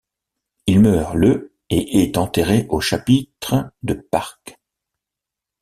Il meurt le et est enterré au chapitre de Parc.